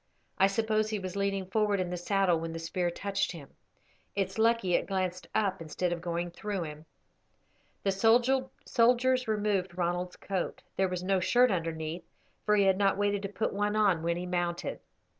I suppose he was leaning forward in the saddle when the spear touched him. It's lucky it glanced up instead of going through him." The soldiers removed Ronald's coat. There was no shirt underneath, for he had not waited to put one on when he mounted.